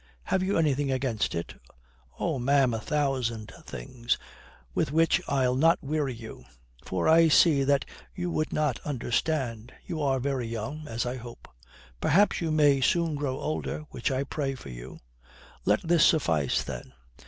"Have you anything against it?" "Oh, ma'am, a thousand things, with which I'll not weary you. For I see that you would not understand. You are very young (as I hope). Perhaps you may soon grow older (which I pray for you). Let this suffice then.